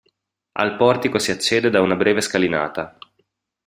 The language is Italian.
Al portico si accede da una breve scalinata.